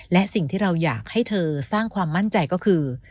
และสิ่งที่เราอยากให้เธอสร้างความมั่นใจก็คือ